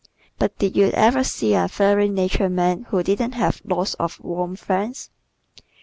But did you ever see a fiery natured man who didn't have lots of warm friends!